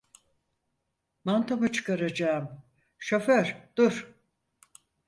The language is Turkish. Mantomu çıkaracağım. Şoför dur!